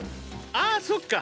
ああそっか。